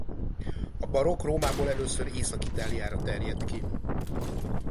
A barokk Rómából először Észak-Itáliára terjedt ki.